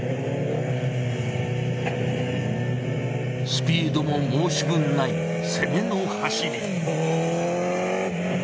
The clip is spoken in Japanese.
スピードも申し分ない攻めの走り。